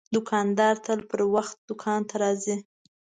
دوکاندار تل پر وخت دوکان ته راځي.